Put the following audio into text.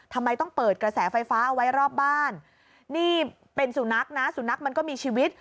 ทำไมต้องเปิดกระแสไฟฟ้าเอาไว้รอบบ้านนี่เป็นสุนัขนะสุนัขมันก็มีชีวิต